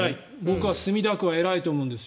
僕は墨田区は偉いと思うんです。